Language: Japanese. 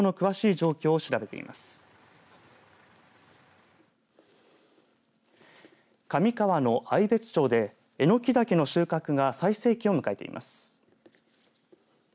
上川の愛別町でエノキダケの収穫が最盛期を迎えています。